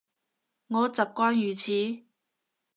我習慣如此